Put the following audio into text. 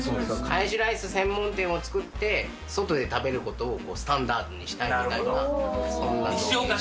ハヤシライス専門店を作って、外で食べることをスタンダードにしたいみたいな。